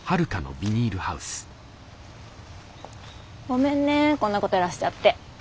ごめんねこんなことやらしちゃって。